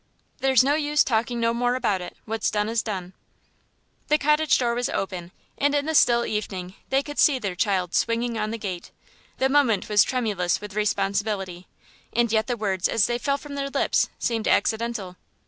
"There's no use talking no more about it; what's done is done." The cottage door was open, and in the still evening they could see their child swinging on the gate. The moment was tremulous with responsibility, and yet the words as they fell from their lips seemed accidental.